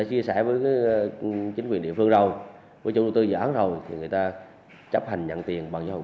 chưa hoàn thành vẫn chưa giải phóng mặt bằng